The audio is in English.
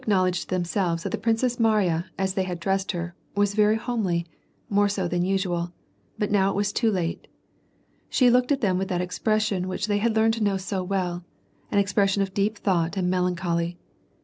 265 airknowledge to themselves that the Princess Mariya, as they had dressed her, was very homely, more so than usual ; but now it was too late. She looked at them with that expression which they had learned to know so well, — an expression of deep thought and melancholy.